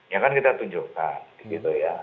ya kan kita tunjukkan gitu ya